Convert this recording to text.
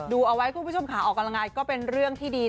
ดูเอาไว้คุณผู้ชมขาออกกำลังกายก็เป็นเรื่องที่ดี